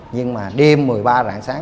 nhưng mà đêm một mươi ba rạng sáng